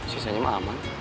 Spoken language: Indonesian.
sisanya mah aman